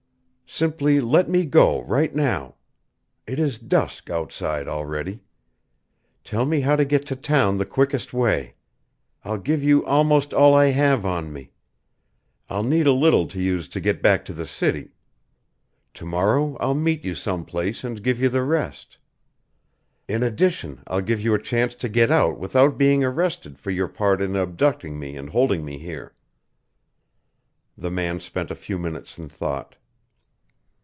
"Simply let me go, right now. It is dusk outside already. Tell me how to get to town the quickest way. I'll give you almost all I have on me; I'll need a little to use to get back to the city. To morrow I'll meet you some place and give you the rest. In addition I'll give you a chance to get out without being arrested for your part in abducting me and holding me here." The man spent a few minutes in thought.